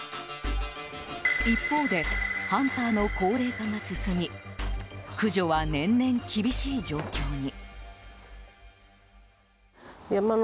一方でハンターの高齢化が進み駆除は年々厳しい状況に。